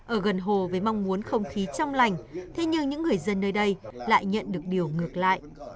ở gần hồ với mong muốn không khí trong lành thế nhưng những người dân nơi đây lại nhận được điều ngược lại